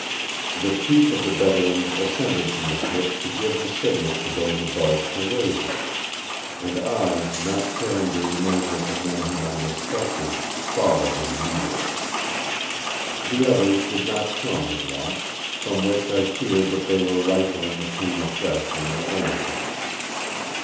The chief of the Bedouins ascended from the Pit to give the signal to those above to raise us; and I, not caring to remain with the men whom I mistrusted, followed him immediately. The others did not come at once; from which I feared that they were rifling the tomb afresh on their own account.